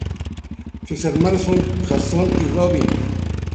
Sus hermanos son Jason y Robyn.